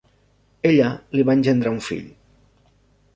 Ella li va engendrar un fill.